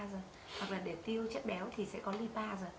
hoặc là để tiêu chất béo thì sẽ có lipa